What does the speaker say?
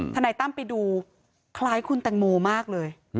ทนายตั้มไปดูคล้ายคุณแตงโมมากเลย